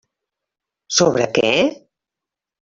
Sobre què?